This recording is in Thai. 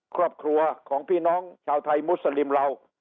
ครอบครัวของพี่น้องชาวไทยมุสลิมเรา